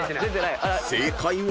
［正解は］